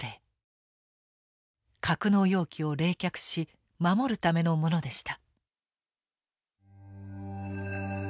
格納容器を冷却し守るためのものでした。